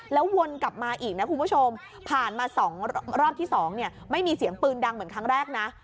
แล้ววนกลับมาอีกนะคุณผู้ชมผ่านมา๒รอบที่๒ไม่มีเสียงปืนดังเหมือนครั้งแรกนะ